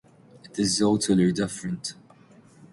It's utterly different.